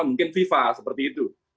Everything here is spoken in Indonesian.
mungkin viva seperti itu